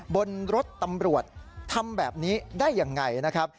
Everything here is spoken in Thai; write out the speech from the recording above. บนรถตำรวจทำแบบนี้ได้ยังไงนะครับ